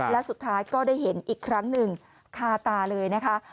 และสุดท้ายก็ได้เห็นอีกครั้งหนึ่งคาตาเลยนะคะ